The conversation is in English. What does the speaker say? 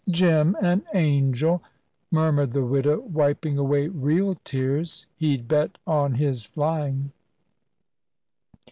"Jim, an angel!" murmured the widow, wiping away real tears. "He'd bet on his flying."